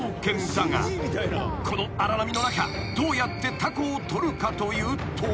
［この荒波の中どうやってタコを取るかというと］